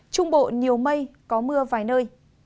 trung bộ nhiều mây có mưa vài nơi